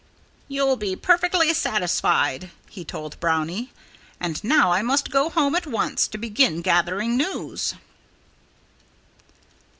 "You'll be perfectly satisfied," he told Brownie. "And now I must go home at once, to begin gathering news."